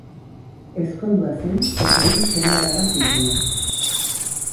Ezkondua zen, eta hiru seme-alaba zituen.